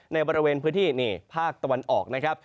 ในบริเวณพื้นที่นี่ภาคตะวันออกนะครับ